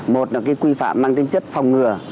một là quy phạm mang tính chất phòng ngừa